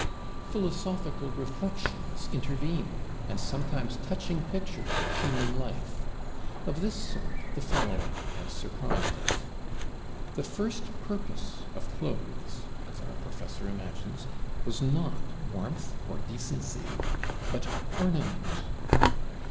Philosophical reflections intervene, and sometimes touching pictures of human life. Of this sort the following has surprised us. The first purpose of Clothes, as our Professor imagines, was not warmth or decency, but ornament.